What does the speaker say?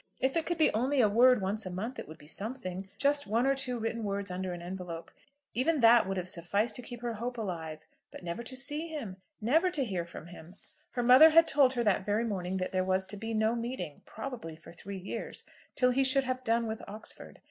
If it could be only a word once a month it would be something, just one or two written words under an envelope, even that would have sufficed to keep her hope alive! But never to see him; never to hear from him! Her mother had told her that very morning that there was to be no meeting, probably for three years, till he should have done with Oxford.